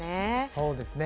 そうですね。